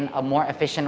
cara yang lebih efisien